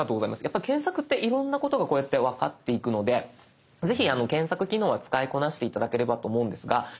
やっぱ検索っていろんなことがこうやって分かっていくのでぜひ検索機能は使いこなして頂ければと思うんですが。